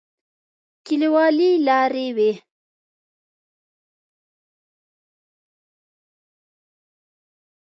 کليوالي لارې وې.